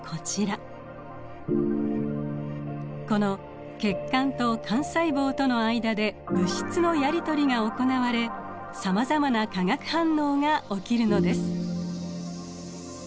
この血管と肝細胞との間で物質のやり取りが行われさまざまな化学反応が起きるのです。